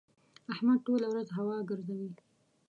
احمد ټوله ورځ هوا ګزوي.